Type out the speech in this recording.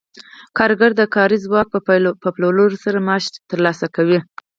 کارګر د کاري ځواک په پلورلو سره معاش ترلاسه کوي